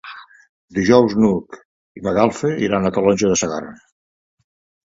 Dijous n'Hug i na Gal·la iran a Calonge de Segarra.